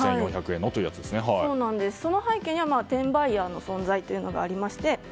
その背景には転売ヤーの存在がありまして。